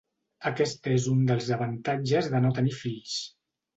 Aquest és un dels avantatges de no tenir fills.